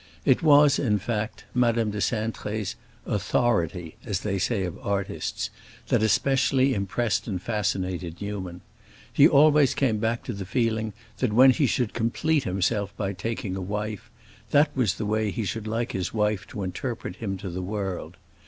It was, in fact, Madame de Cintré's "authority," as they say of artists, that especially impressed and fascinated Newman; he always came back to the feeling that when he should complete himself by taking a wife, that was the way he should like his wife to interpret him to the world.